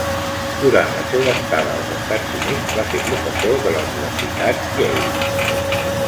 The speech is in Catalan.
Durant la seua estada als Estats Units va ser professor de la Universitat Yale.